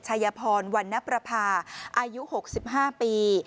ชัยพรวันนประภาอายุ๖๕ปี